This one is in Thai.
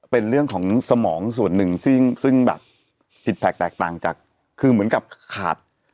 เป็นเรื่องของสมองส่วนหนึ่งซึ่งแบบผิดแผลกแตกต่างจากคือเหมือนกับขาด